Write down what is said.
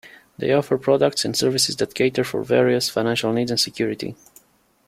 They offer products and services that cater for various financial needs and security.